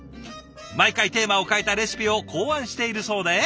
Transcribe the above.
毎回テーマを変えたレシピを考案しているそうで。